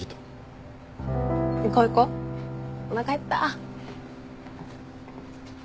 おなか減った。